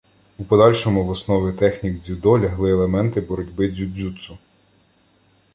У подальшому в основи технік дзюдо лягли елементи боротьби дзюдзюцу.